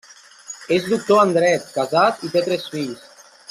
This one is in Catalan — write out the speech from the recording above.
És doctor en Dret, casat i té tres fills.